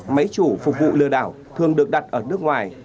máy chủ phục vụ lừa đảo thường được đặt ở nước ngoài